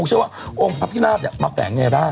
ที่ฉันว่าโอ้มพระพิราบเนี่ยมาแฝงไงได้